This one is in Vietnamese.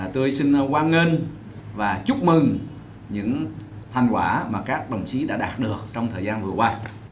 tôi xin quang ngân và chúc mừng những thành quả mà các đồng chí đã đạt được trong thời gian vừa qua